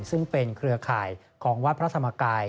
ซึ่งเป็นเครือข่ายของวัดพระธรรมกาย